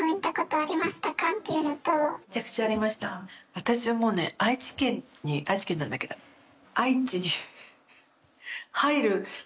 私はもうね愛知県に愛知県なんだけどうん。